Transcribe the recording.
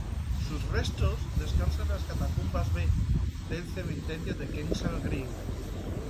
Sus restos descansan en las catacumbas B del cementerio de Kensal Green.